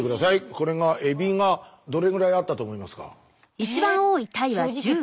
これがエビがどれぐらいあったと思いますか？